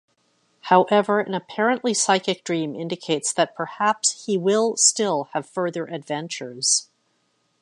However an apparently psychic dream indicates that perhaps he will still have further adventures.